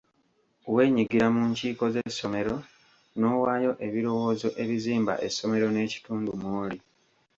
Weenyigira mu nkiiko z'essomero n'owaayo ebirowoozo ebizimba essomero n'ekitundu mw'oli.